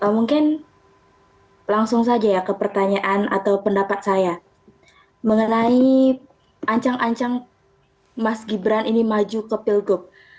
mungkin langsung saja ya ke pertanyaan atau pendapat saya mengenai ancang ancang mas gibran ini maju ke pilgub